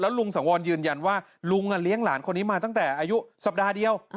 ลุงสังวรยืนยันว่าลุงเลี้ยงหลานคนนี้มาตั้งแต่อายุสัปดาห์เดียว